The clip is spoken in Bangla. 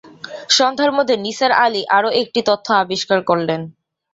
সন্ধ্যার মধ্যে নিসার আলি আরো একটি তথ্য আবিষ্কার করলেন।